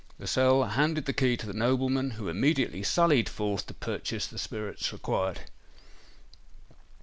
Lascelles handed the key to the nobleman, who immediately sallied forth to purchase the spirits required.